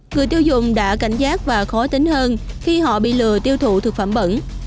người tiêu dùng đã cảnh giác và khó tính hơn khi họ bị lừa tiêu thụ thực phẩm bẩn